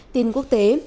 tin quốc tế